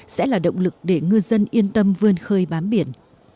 sẽ là động lực để ngư dân yên tâm vươn khơi bám biển